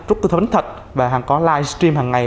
trúc tư thánh thạch và họ có live stream hằng ngày